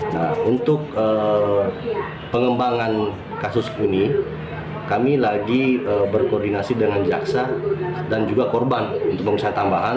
nah untuk pengembangan kasus ini kami lagi berkoordinasi dengan jaksa dan juga korban untuk pemeriksaan tambahan